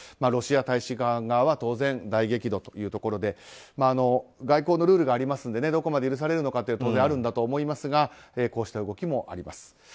ロシア大使館側は大激怒というところで外交のルールがありますのでどこまで許されるのかというところはあるんだと思いますがこうした動きもあります。